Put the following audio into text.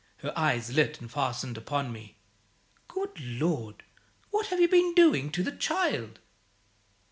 her eyes lit and fastened upon me "Good Lord! what have you been doing to the child?"